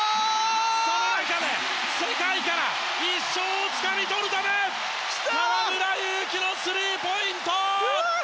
その中で世界から１勝をつかみとるため河村勇輝のスリーポイント！